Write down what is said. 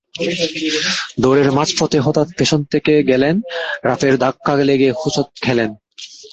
দৌড়ের মাঝপথে হঠাৎ পেছন থেকে গ্যালেন রাপের ধাক্কা লেগে হোঁচট খেলেন।